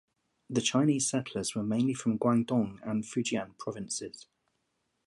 The Chinese settlers were mainly from Guangdong and Fujian provinces.